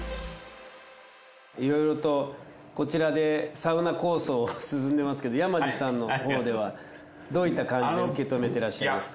いろいろとこちらでサウナ構想進んでますけど山路さんのほうではどういった感じで受け止めてらっしゃいますか？